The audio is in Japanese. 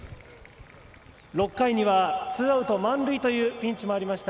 ６回にはツーアウト満塁というピンチもありました。